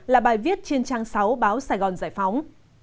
là bài viết trên trang sáu báo sài gòn giải phóng